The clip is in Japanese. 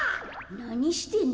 なにしてんの？